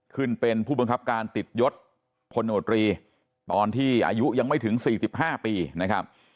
ขึ้นเป็นผู้บังคับการติดยศพลโนตรีตอนที่อายุยังไม่ถึง๔๕ปีนะครับ